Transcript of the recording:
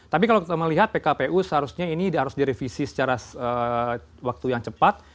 tapi kalau kita melihat pkpu seharusnya ini harus direvisi secara waktu yang cepat